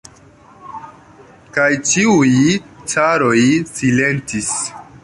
Kaj ĉiuj caroj silentis.